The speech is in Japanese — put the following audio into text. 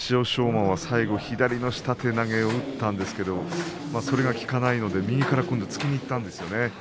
馬は最後左の下手投げを打ったんですがそれが効かないので踏み込んで右から突きにいったんですよね。